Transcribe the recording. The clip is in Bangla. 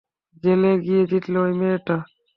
জেলে গিয়ে জিতল ঐ মেয়েটা।